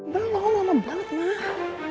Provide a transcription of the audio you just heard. belom lama banget mah